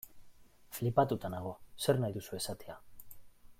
Flipatuta nago, zer nahi duzu esatea.